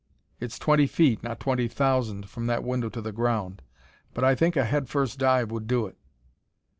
It's twenty feet, not twenty thousand, from that window to the ground, but I think a head first dive would do it."